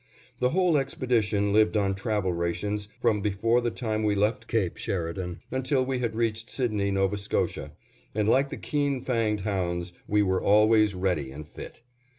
The whole expedition lived on travel rations from before the time we left Cape Sheridan until we had reached Sidney, N. S., and like the keen fanged hounds, we were always ready and fit.